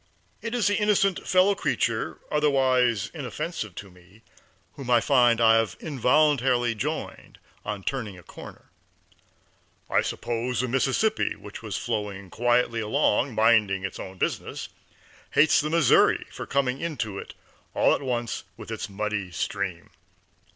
It is the innocent fellow creature, otherwise inoffensive to me, whom I find I have involuntarily joined on turning a corner. I suppose the Mississippi, which was flowing quietly along, minding its own business, hates the Missouri for coming into it all at once with its muddy stream.